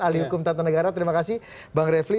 ahli hukum tata negara terima kasih bang refli